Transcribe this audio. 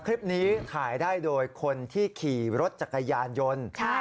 คลิปนี้ถ่ายได้โดยคนที่ขี่รถจักรยานยนต์